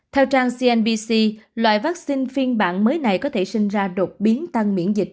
theo trang cnbc loại vaccine phiên bản mới này có thể sinh ra đột biến tăng miễn dịch